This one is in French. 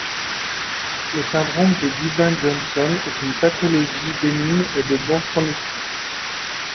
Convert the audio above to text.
Le syndrome de Dubin-Johnson est une pathologie bénigne et de bon pronostic.